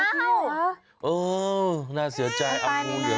อ้าวรู้เหรอเออน่าเสียใจอ้าวคุณเนี้ย